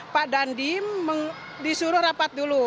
pak dandim disuruh rapat dulu